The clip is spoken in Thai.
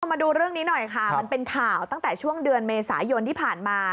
มาดูเรื่องนี้หน่อยค่ะมันเป็นข่าวตั้งแต่ช่วงเดือนเมษายนที่ผ่านมา